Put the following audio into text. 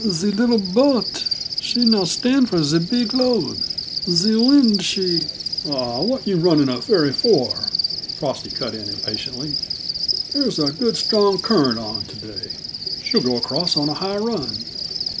"The leetle boat, she not stand for ze beeg load. The weend, she " "Aw, what yuh running a ferry for?" Frosty cut in impatiently. "There's a good, strong current on, to day; she'll go across on a high run."